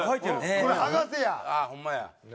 これ剥がすんや。